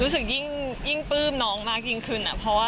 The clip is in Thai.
รู้สึกยิ่งปลื้มน้องมากยิ่งขึ้น